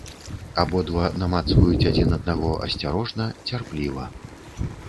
Абодва намацваюць адзін аднаго асцярожна, цярпліва.